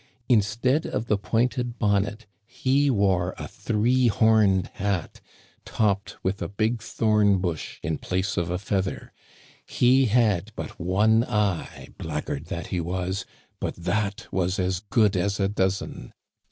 Instead of the pointed bonnet, he wore a three homed hat, topped with a big thorn bush in place of a feather. He had but one eye, blackguard that he was, but that was as good as a dozen.